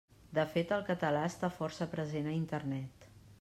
De fet el català està força present a Internet.